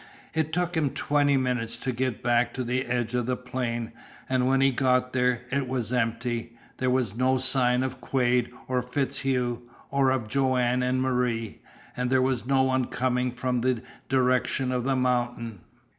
It took him twenty minutes to get back to the edge of the plain, and when he got there it was empty. There was no sign of Quade or FitzHugh, or of Joanne and Marie; and there was no one coming from the direction of the mountain.